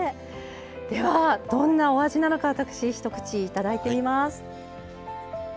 ではどんなお味なのか私一口いただいてみます。